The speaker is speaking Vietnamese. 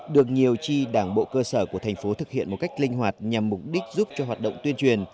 được nhiều chi đảng bộ cơ sở của tp hcm thực hiện một cách linh hoạt nhằm mục đích giúp cho hoạt động tuyên truyền